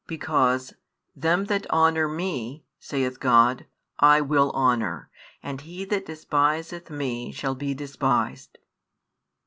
Because: Them that honour Me, saith God, I will honour; and he that despiseth Me shall be despised.